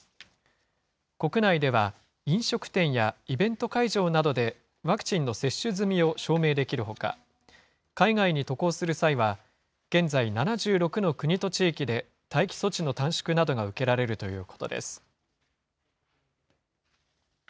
国内では飲食店やイベント会場などで、ワクチンの接種済みを証明できるほか、海外に渡航する際は、現在７６の国と地域で待機措置の短縮などが受けられるということです。